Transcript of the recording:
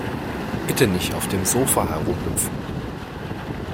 Bitte nicht auf dem Sofa herumhüpfen.